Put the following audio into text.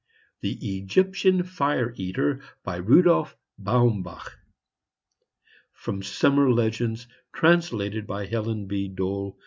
THE EGYPTIAN FIRE EATER BY RUDOLPH BAUMBACH From "Summer Legends," translated by Helen B. Dole.